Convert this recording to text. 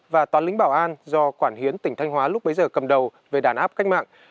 và tòa lĩnh bảo an do quản hiến tỉnh thanh hóa lúc bấy giờ cầm đầu về đàn áp cách mạng